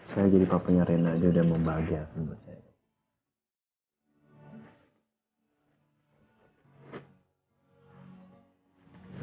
saya jadi papanya renai aja udah membahagiakan buat renai